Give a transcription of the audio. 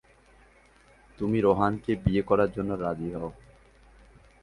তুমি রোহানকে বিয়ে করার জন্য রাজি হও।